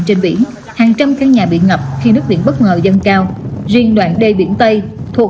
trên biển hàng trăm căn nhà bị ngập khi nước biển bất ngờ dâng cao riêng đoạn đê biển tây thuộc